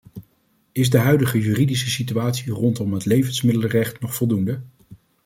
Is de huidige juridische situatie rondom het levensmiddelenrecht nog voldoende?